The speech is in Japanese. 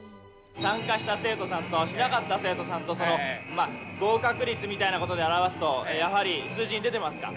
参加した生徒さんとしなかった生徒さんと、合格率みたいなことで表すと、やはり数字で出てますか？